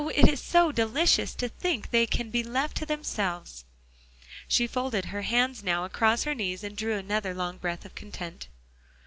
it's so delicious to think they can be left to themselves." She folded her hands now across her knees, and drew another long breath of content.